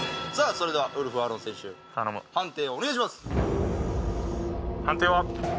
それではウルフアロン選手判定をお願いします